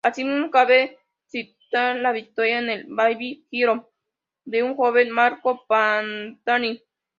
Asimismo, cabe citar la victoria en el Baby Giro de un joven Marco Pantani.